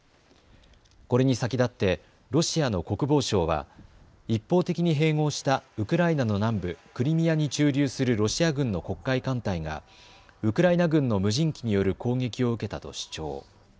これに先立ってロシアの国防省は一方的に併合したウクライナの南部クリミアに駐留するロシア軍の黒海艦隊がウクライナ軍の無人機による攻撃を受けたと主張。